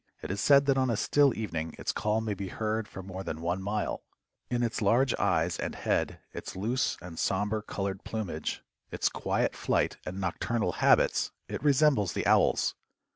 It is said that on a still evening its call may be heard for more than one mile. In its large eyes and head, its loose and somber colored plumage, its quiet flight and nocturnal habits it resembles the owls.